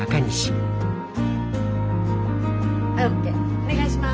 お願いします。